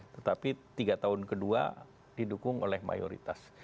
tetapi tiga tahun kedua didukung oleh mayoritas